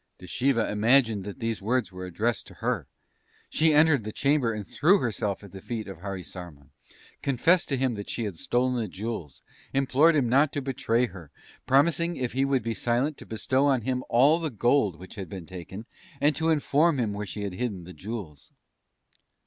"Dschiva imagined that these words were addressed to her; she entered the chamber and threw herself at the feet of Harisarman, confessed to him that she had stolen the jewels, implored him not to betray her, promising if he would be silent to bestow on him all the gold which had been taken, and to inform him where she had hidden the jewels.